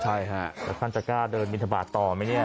ใช่ค่ะแล้วคุณจะกล้าเดินมิถาบาทต่อไหม